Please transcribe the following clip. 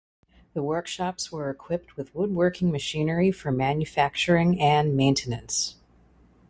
The workshops were equipped with woodworking machinery for manufacturing and maintenance.